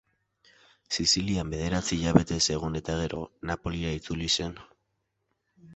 Sizilian bederatzi hilabetez egon eta gero, Napolira itzuli zen.